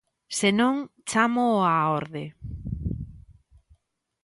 Se non, chámoo á orde.